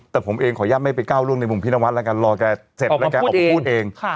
แต่ผมเองขออนุญาตไม่ไปก้าวร่วงในมุมพี่นวัดแล้วกันรอแกเสร็จแล้วแกออกมาพูดเอง